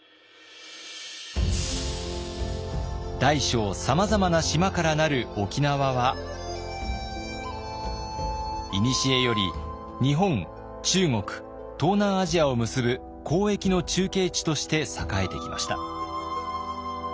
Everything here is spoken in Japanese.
大小さまざまな島から成る沖縄はいにしえより日本中国東南アジアを結ぶ交易の中継地として栄えてきました。